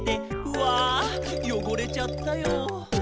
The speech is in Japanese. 「うぁよごれちゃったよ」